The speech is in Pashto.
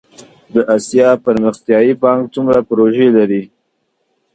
د اسیا پرمختیایی بانک څومره پروژې لري؟